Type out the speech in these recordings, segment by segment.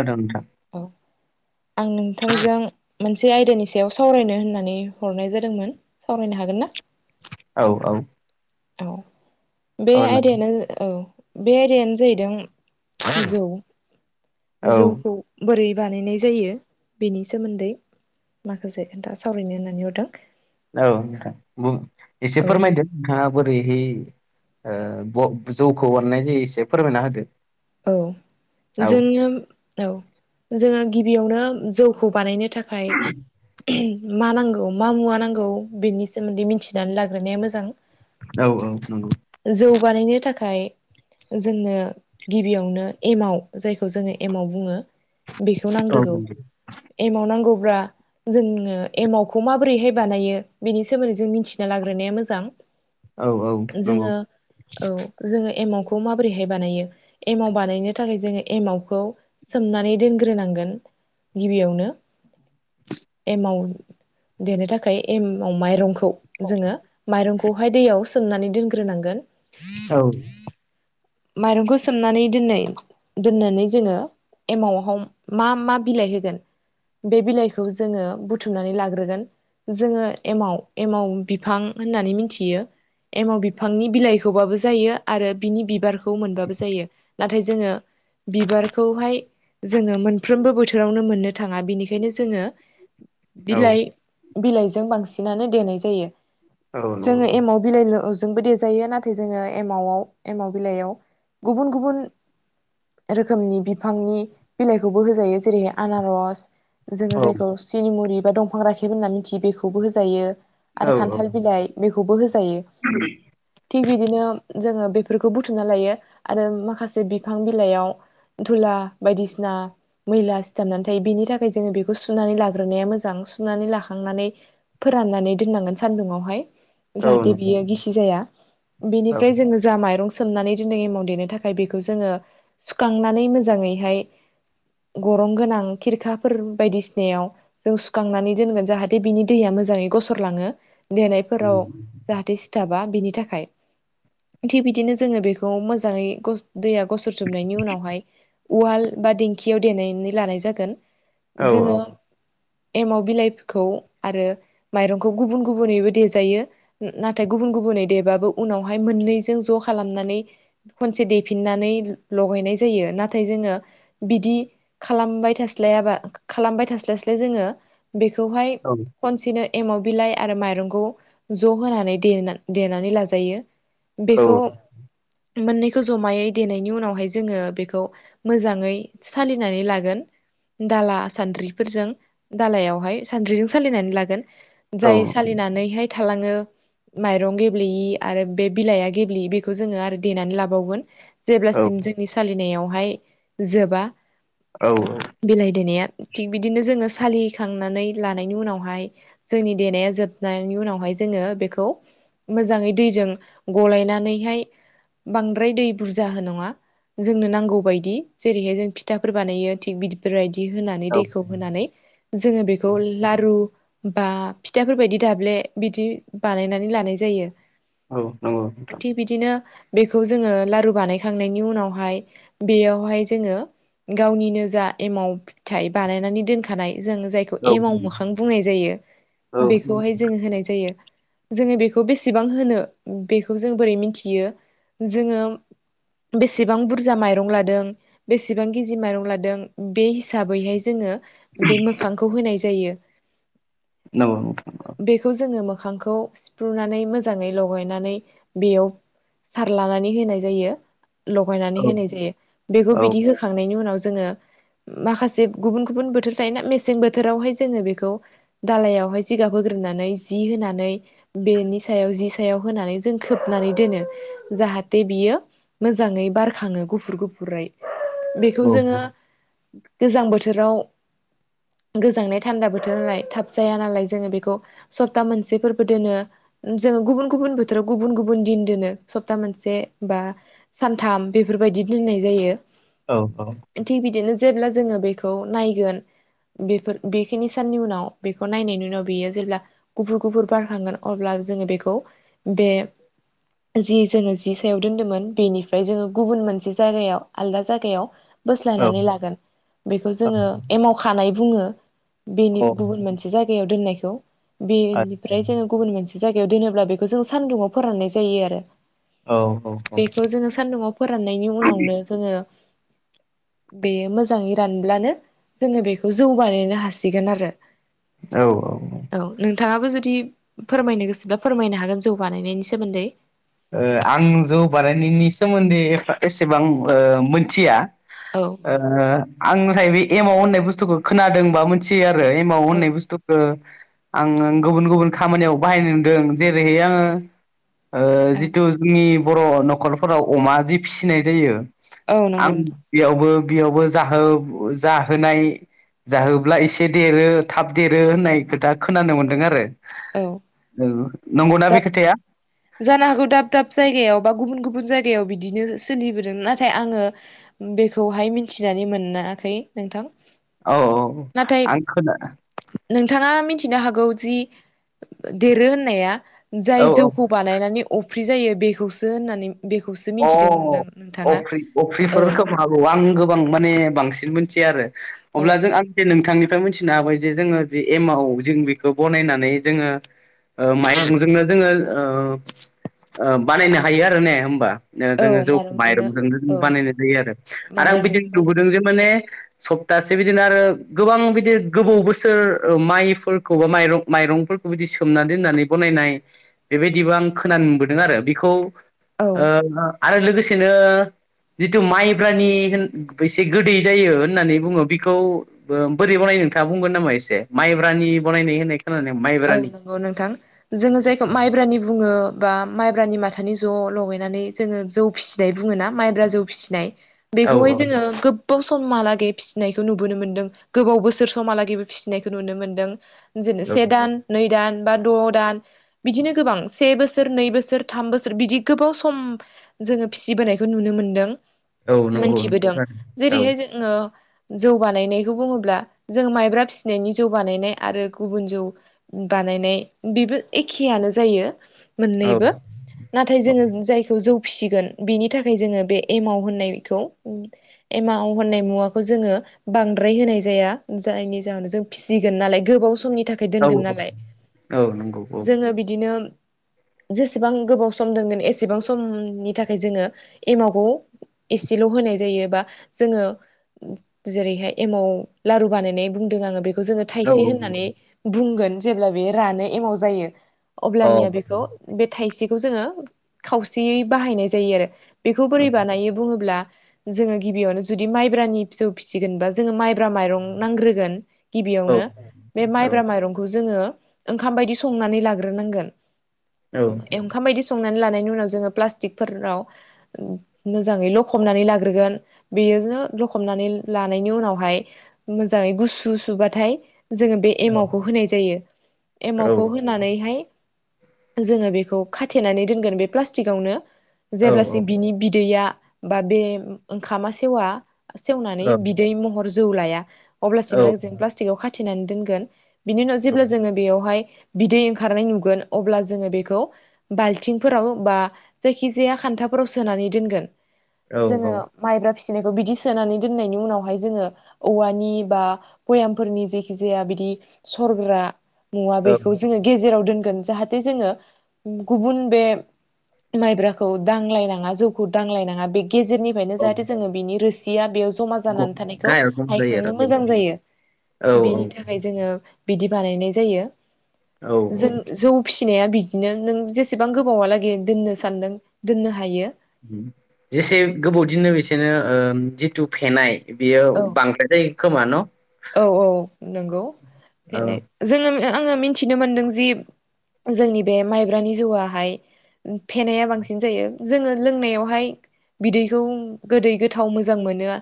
आदथा नोथां औ आं नोंथांजों मोनसे आयदानि सायाव सावरायनो होननानै हरनाय जादोंमोन सावरायनो हागोन ना औ औ। औ बे सावरायनो आयदायानो औ बे आयदायानो जाहैदों जौ औ औ जौखौ बोरै बानायनाय जायो बेनि सोमोन्दै माखासे खोन्था सावरायनो होननानै हरदों औ नोंथां एसे औ फोरमायदों नोंथाङा बोरैहै ओ ब जौखौ बानायनाय जायो एसे फोरमायना होदो औ जोङो औ जोङो गिबियावनो जौखौ बानायनो थाखाय मा नांगौ मा मुवा नांगौ बेनि सोमोन्दै मिथिनानै लाग्रोनाया मोजां औ औ नंगौ जौ बानायनो थाखाय जोंनो गिबियावनो एमाव जायखौ जोङो एमाव बुङो । बेखौ औ नांग्रोगौ एमाव नांगौब्ला जोङो एमावखौ माबोरैहाय बानायो बेनि सोमोन्दै जों मिथिना लाग्रोनाया मोजां । औ औ नंगौ जोङो औ जोङो एमावखौ माबोरैहाय बानायो? एमाव बानायनो थाखाय जोङो एमावखौ सोमनानै दोनग्रोनांगोन । गिबियावनो एमाव देनो थाखाय एमाव माइरंखो जोङो माइरंखौहाय दैयाव सोमनानै दोनग्रोनांगोन । औ । माइरंखौ सोमनानै दोन्नै दोननानै जोङो एमावआव हम मा - मा बिलाइ होगोन? बे बिलाइखौ जोङो बुथुमनानै लाग्रोगोन । जोङो एमाव - एमाव बिफां होननानै मिथियो । एमाव बिफांनि बिलाइखौबाबो जायो आरो बिनि बिबारख खौ मोनबाबो जायो नाथाय जोङो बिबारखौहाय जोङो मोनफ्रोमबो बोथोरावनो मोननो थाङा बिनिखायनो जोङो बिलाइ बिलाइजों बांसिनानो देनाय जायो औ जोङो नंगौ एमाव बिलाइनो ओज जोंबो देजायो नाथाय जोङो एमावआव एमाव बिलाइयाव गुबुन-गुबुन जो रोखोमनि बिफांनि बिलाइखौबो होजायो। जेरै - आनारस, जोङो औ जायखौ सिनिमुरि बा दंफां राखेब होनना मिथियो बेखौबो होजायो। औ आरो औ औ खान्थाल बिलाइ बेखौबो होजायो। थिग बिदिनो जोङो बेफोरखौ बुथुमना लायो आरो माखासे बिफां बिलाइयाव धुला बायदिसिना मैला सिथाबनानै थायो बेनि थाखाय जों बेखौ सुनानै लाग्रोनाया मोजां। सुनानै लाखांनानै फोराननानै दोननांगोन सान्दुंङावहाय। औ औ औ जाहाथे बियो गिसि जाया। औ बेनिफ्राय जोङो जा माइरं सोमनानै दिनो एमाव देनो थाखाय बेखौ जोङो सुखांनानै मोजाङैहाय गरं गोनां खिरखाफोर बायदिसिनायाव जों सुखांनानै दोनगोन जाहाथे बिनि दैया मोजाङै गसरलाङो। देनायफोराव जाहाथे सिथाबा बिनि थाखाय थि बिदिनो जोङो बेख खौ मोजाङै गस दैया गसरजोबनायनि उनावहाय उवाल बा दिंखियाव देनानै लानाय जागोन जोङो एमाव बिलाइखौ आरो माइरंखौ गुबुन-गुबुनैबो देजायो नाथाय गुबुन-गुबुन गुबुनै देबाबो उनावहाय मोननैजों ज' खालामनानै खनसे दैफिननानै लगायनाय जायो नाथाय जोङो बिदि खालामबाय था थास्लायाबा खालामबाय थास्लायस्लाय जोङो बेखौहाय खनसेनो एमाव बिलाइ आरो माइरंखौ ज' होनानै देना-देनानै लाजायो । बेखौ मोननैखौ ज'मायै देनायनि उनावहाय जोङो बेखौ मोजाङै सालिनानै लागोन। दाला सान्द्रिफोरजों दालायावहाय सान्द्रिजों सालिनानै लागोन। जाय सालिनानैहाय थालाङो माइरं गेब्लेयि आरो बे बिलाइआ गेब्लेयि बेखौ जोङो आरो देनानै लाबावगोन जेब्लासिम जोंनि सालिनायावहाय जोबा बिलाइ देनाया थिग बिदिनो जोङो सालिखांनानै लानायनि उनावहाय जोंनि देनाया जोबनायनि उनावहाय जोङो बेखौ मोजाङै दैजों गलायनानैहाय बांद्राय दै बुरजा हो नङा। जोंनो नांगौ बायदि जेरैहाय जों फिथाफोर बानायो थिग बिदिफोरबायदि होनानै दैखौ होनानै जोङो बेखौ लारु बा फिथाफोरबायदि दाब्ले बिदि बानायनानै लानाय जायो। नंगौ नोंथां [inaudible] थिग बिदिनो बेखौ जोङो लारु बानायखांनायनि उनावहाय बेयावहाय जोङो गावनि निजा एमाव फिथाइ बानायनानै दोनखानाय जों जायखौ औ एमाव मोखां बुंनाय जायो औ बेखौहाय जोङो होनाय जायो। जोङो बेखौ बेसेबां होनो बेखौ जों बोरै मिथियो जोङो बेसेबां बुरजा माइरं लादों बेसेबां खिजि माइरं लादों बे हिसाबैहाय जोङो बे मोखांखौ होनाय जायो। नौ नंगौ। मोगांखौ सिफ्रुनानै मोजांङै लगायनानै बेयाव सारलानानै होनाय जायो औ लगायनानै होनाय जायो बेखौ औ बिदि होखांनायनि उनाव ज जोङो माखासे गुबुन गुबुन बोथोर थायोना मेसें बोथोरावहाय जोङो बेखौ दालाइयावहाय जिगाब होगो नानै जि होनानै बेनि सायाव जि सायाव होनानै जों खोबनानै दोनो। जाहाथे बियो मोजाङै बारखाङो गुफुर गुफुरै। बेखौ जोङो गोजां बोथोराव गोजांनाय थान्दा बोथोरालाय थाब जाया नालाय जोङो बेखौ सप्ता मोनसेफोरबो दोनो। जोङो गुबुन गुबुन बोथोराव गुबुन गुबुन दिन दोनो। सप्ता मोनसे बा सानथाम बेफोरबायदि दोननाय जायो। औ-औ थिग बिदिनो जेब्ला जोङो बेखौ नायगोन। बेफोर बेखिनि साननि उनाव बेखौ नायनायनि उनाव बेयो जेब्ला गुफुर गुफुर बारखांगोन अब्ला जोङो बेखौ बे जि जोङो जि सायाव दोनदोंमोन बेनिफ्राय जोङो गुबुन मोनसे जायगायाव आलदा जायगायाव बोस्लायनानै लागोन बेखौ जोङो एमाव खानाय बुङो। औ बेनि गुबुन मोनसे जायगायाव दोननायखौ औ बेनिफ्राय जोङो गुबुन मोनसे जायगायाव दोनोब्ला बेखौ जों सान्दुुंआव फोराननाय जायो आरो। औ बेखौ जोङो सानदुंआव फोराननायनि उनावनो जोङो बेयो मोजाङै रानब्लानो जोङो बेखौ जौ, बानायनो हासिगोन आरो। औ-औ-औ औ नोंथाङाबो जुदि फोरमायनो गोसोबा फोरमायनो हागोन जौ बानायनायनि सोमोन्दै। ओ आं जौ बानायनायनि सोमोन्दै एफा एसेबां ओ मिनथिया। औ ओ आंनिफ्राय बे एमाव होननाय बुस्थुखौ खोनादोंबा मानसिया आरो एमाव औ होन्नाय बुस्थुखो आं आं गुबुन गुबुन खामानियाव बाहायनाय नुदों जेरैहाय आङो ओ औ जिथु जोंनि बर' न'खरफोराव अमा जि फिसिनाय जायो। औ आं नंगौ नोंथां बेयावबो बेयावबो जाहो जाहोनाय- जाहोब्ला एसे देरो थाब देरो होननाय खोथा खोनानो मोन्दों आरो। औ औ नंगौना दा बे खोथाया? जानो हागौ दाब दाब जायगायाव बा गुबुन गुबुन जायगायाव बिदिनो सोलिबोदों नाथाय आङो बेखौहाय मिथि मिथिनानै मोनाखै नोंथां। औ नाथाय आं खोना नोंथाङा मि थिनो हागौदि देरो होननाया जाय औ जौखौ बानायनानै अफ्रि जायो बेखौसो होननानै बेखौसो अ मिथिदों होनदों नोंथाङा अफ्रि औ अफ्रिफोर खोम हागौ आं गोबां माने बांसिन मोनथिया आरो औ अब्ला जों आं जे नोंथांनि फ्राय मिथिनो हाबाय जे जोङो जे एमाव जों बेखौ बनायनानै जोङो माइरंजोंनो जोङो ओ ओ बानायनो हायो आरो ने होमबा? ओ औ जोङो जौखौ मायरं माइरंजोंनो जोंनो औ बानायनाय जायो आरो आं माइरंजोंनो बानायनाय बिदिनो जे माने सप्तासे बिदिनो आरो गोबां बिदि गोबाव बोसोर ओ माइफोरखौ बा माइरं माइरंफोर फोरखौ बिदि सोमनानै दोननानै बनायनाय बेबायदिबो आं खोनानो मोनबोदों आरो बेखौ औ ओ आरो लोगोसेनो जिथु माइब्रानि होन एसे गोदै जायो होननानै बुङो बेखौ बो बोरै बनायो? नोंथाङा बुंगोन नामा एसे माइब्रानि बानायनाय होननाय खोनादों औ माइब्रानि नंगौ नोंथां जोङो जायखौ माइब्रानि बुङो बा माइ ब्रानि माथानि ज लगायनानै जोङो जौ फिसिनाय बुङोना माइब्रा जौ फिसिनाय औ बेखौहाय औ जोङो गोबाव समहालागै फिसिनायखौ नुबोनो मोन्दों गोबाव बोसोर समहालागैबो फिसिनायखौ नुनो मोन्दों। जोनो से दान नै दान बा द दान बिदिनो गोबां से बोसोर नै बोसोर थाम बोसोर बिदि गोबाव सम जोङो फिसिबोनायखौ नुनो मोनदों औ नंगौ मोनथिबोदों औ जेरैहाय जोङो जौ बानायनायखौ बुङोब्ला जों माइब्रा फिसिनायनि जौ बानायनाय आरो गुबुन जौ बानायनाय बेबो एखेआनो जायो। औ मोननैबो नाथाय औ जोङो जायखौ जौ फिसिगोन बेनि थाखाय जोङो बे एमाव होननायखौ एमाव होननाय मुवाखौ जोङो बांद्राय होनाय जाया जायनि जाहोनाव जों फिसिगोन नालाय गोबाव समनि थाखाय खाय दोनगोन नालाय औ नंगौ औ जोङो बिदिनो जेसेबां गोबाव सम दोनगोन एसेबां समनि थाखाय जोङो एमावखौ एसेल होनाय जायोबा जोङो जेरैहाय एमाव लारु बानायनाय बुंदों आङो बेखौ जोङो औ थाइसे होननानै बुंगोन जेब्ला बे रानो एमाव जायो अ औ अब्लानिया बेखौ बे थाइसेखौ जोङो खावसेयै बाहायनाय जायो आरो बेखौ बोरै बानायो बुङोब्ला जोङो गिबियावनो जुदि माइब्रानि फिसौ फिसिगोनबा जोङो माइ माइब्रा माइरं नांग्रोगोन औ गिबियावनो बे माइब्रा माइरंखौ जोङो ओंखाम बायदि संनानै लाग्रोनांगोन ओंखाम बायदि सं संनानै लानायनि उनाव जोङो प्लासटिक फोराव मोजाङै लखबनानै लाग्रोगोन बेयो बिदिनो लखबनानै लानायनि उनावहाय मोजाङै गुसु सुबाथाय जोङो बे एमावखौ होनाय जायो एमावखौ होनानैहाय जोङो बेखौ खाथेनानै दोनगोन बे प्लास्टिकावनो जेब्लासि बिनि बिदैया बा बे ओंखामा सेवा सेवनानै बिदै महर जौ लाया अब्लासिमलागै जों प्लास्टिकाव खाथेनानै दोनगोन बिनि उनाव जेब्ला जोङो बेयावहाय बिदै ओंखारनाय नुगोन अब्ला जोङो बेखौ बाल्थिंफोराव बा जायखिजाया खान्था फोराव सोनानै दोनगोन औ जोङो मायब्रा फिसिनायखौ बिदि सोनानै दोननायनि उनावहाय जोङो औवानि बा बयामफोरनि जेखि जाया बिदि सरग्रा मुवा औ बेखौ जोङो गेजेराव दोनगोन गोन जाहाथे जोङो गुबुन बे माइब्राखौ दांलायनाङा जौखौ दांलायनाङा बे गेजेरनिफ्रायनो औ जाहाथे जोङो बिनि रोसिया बेयाव जमा जानानै थानायखौ गाहायाव दंजायो हायखांनो आरो मोजां जायो औ बिनि थाखाय जोङो बिदि बानायनाय जायो औ औ जों जौ फिसि फिसिनाया बिदिनो नों जेसेबां गोबावहालागै दोननो सानदों दोननो हायो जेसे गोबावदिनो बिसेनो ओ जिथु फेनाय बियो औ बांद्राय जायो खोमा न औ औ नोंगौ औ फेनाय जोङो आङो मिथिनो मोनदों जि जोंनि बे माइब्रानि जौआहाय फेनाया बांसिन जायो जोङो लोंनायावहाय बिदैखौ गोदै गोथाव मोजां मोनो आ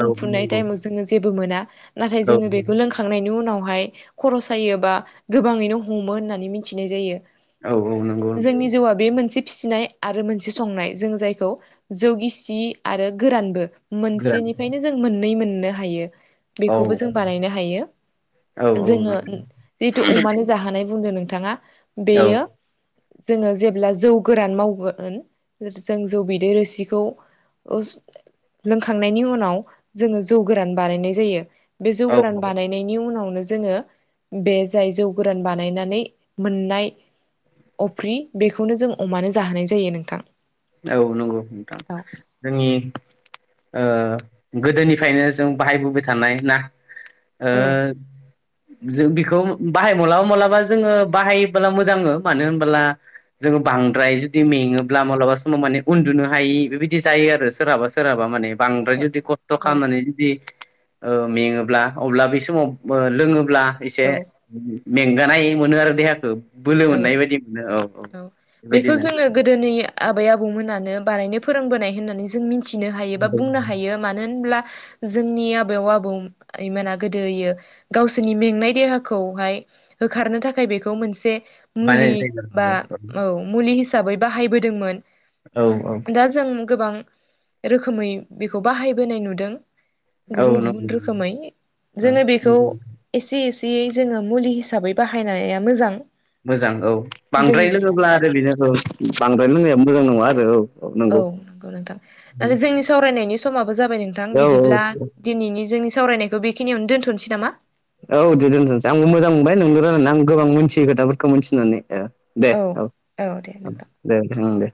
औ नंगौ टाइमाव जोङो जेबो मोना नाथाय औ जोङो बेखौ लोंखांनायनि उनाव बेहाय खर सायो बा गोबाङैनो हमो होननानै मिन्थिनाय जायो औ औ नंगौ जोंनि जिउआ बे मोनसे फिसिनाय आरो मोनसे संनाय जों जायखौ जौगिसि आरो गोरानबो गोरान मोनसेनिफ्रायनो जों मोननै मोननो हायो औ बेखौबो जों बानायनो हायो औ जोङो जितु अमानि जाहोनानाय बुंदों नों नोंथाङा बेयो जोङो जेब्ला जौ गोरान मावगोन जों जौ बिदै रोसिखौ उस लोंखांनायनि उनाव जोङो जौ गोरान बानायनाय जायो बे जौ औ गोरान बानायनायनि उनाव नो जोङो बे जाय जौ गोरान बानायनानै मोननाय अफ्रि बेखौनो जों अमानो जाहोनाय जायो नोंथां औ नंगौ नोंथां औ जोंनि ओ गोदोनिफ्रायनो जों बाहायबोबाय थानाय ना ओ औ जों बिखौ बाहाय माब्लाबा माब्लाबा जोङो बाहायोब्ला मोजाङो मानो होनबोला जोङो बांद्राय जुदि मेङोब्ला मालाबा समाव माने उन्दुनो हायि बेबायदि जायो आरो सोरहाबा सोरहाबा माने बांद्राय जुदि खस्थ' औ खालामनानै जुदि ओ मेङोब्ला अब्ला बै समाव लोङोब्ला एसे औ मेंगानाय मोनो आरो देहाखौ बोलो औ मोननाय बायदि मोनो औ बेखौ बेबायदिनो जोङो गोदोनि आबै आब आबौ मोनानो बारायनो फोरोंबोनाय होननानै जों मिथिनो हायो बा बुंनो हायो मानो होनब्ला जोंनि आबौ आबौमाना गोदोयो गावसोरनि मेंनाय देहाखौहाय होखारनो थाखाय बेखौ मोनसे मुलि बानायनाय बा जायो औ आरो मुलि हाबै हिसाबै बाहायबोदोंमोन औ औ दा जों गोबां रोखोमै बेखौ बाहायबोनाय नुदों औ गुबुन औ गुबुन नंगौ रोखोमै औ जोङो बेखौ एसे एसे जियै जोङो मुलि हिसाबै बाहायनाया मोजां मोजां औ जोंनि बांद्राय देहानि लोङोब्ला आरो थाखाय बेनि बांद्राय लोंनाया मोजां नङा आरो औ औ नंगौ नोंथां नाथाय जोंनि सावरायनायनि समाबो जाबाय नोंथां औ बिदिब्ला औ दिनैनि जोंनि सावरायनायखौ बेखिनियावनोोनथ'नोसै नामा औ दे दोनथ'सै आंबो मोजां मोनबाय नोंजों रायलायनानै आं गोबां मिथियो खोथाफोरखौ मिथिनानै दे औ दे औ नोंथां। दे दे